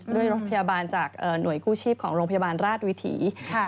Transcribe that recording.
ด้วยรถพยาบาลจากหน่วยกู้ชีพของโรงพยาบาลราชวิถี